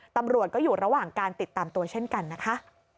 ตำรวจก็อยู่ระหว่างการติดตามตัวเช่นกันนะคะ